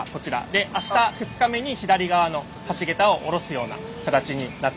であした２日目に左側の橋桁をおろすような形になってます。